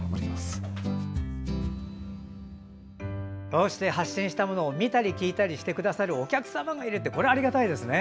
こうして発信したものを見たり聴いたりしてくださるお客様がいるってありがたいですね。